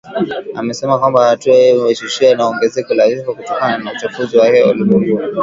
Amesema kwamba hatua hiyo imechochewa na ongezeko la vifo kutokana na uchafuzi wa hewa ulimwenguni.